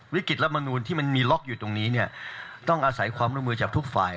วิกฤตและมนูนที่มันมีล็อกอยู่ตรงนี้ต้องอาศัยความร่วมร่วมวือจากทุกฝ่าย